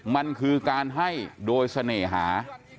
มันคือการให้โดยเสน่หา